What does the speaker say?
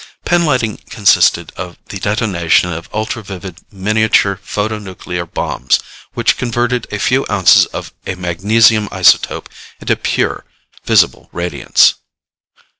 Pinlighting consisted of the detonation of ultra vivid miniature photonuclear bombs, which converted a few ounces of a magnesium isotope into pure visible radiance.